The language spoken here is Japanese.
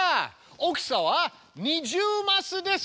大きさは２０マスです！